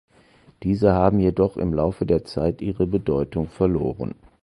Diese haben jedoch im Laufe der Zeit ihre Bedeutung verloren.